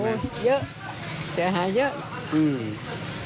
เยอะเสียหายเยอะ